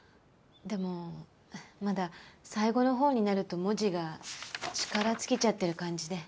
でもまだ最後のほうになると文字が力尽きちゃってる感じで。